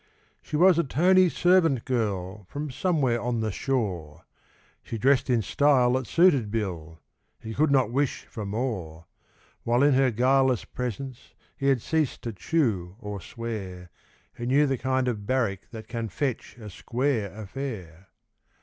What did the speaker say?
She was a tony servant girl from somewhere on 'the Shore;' She dressed in style that suited Bill he could not wish for more. While in her guileless presence he had ceased to chew or swear, He knew the kind of barrack that can fetch a square affair.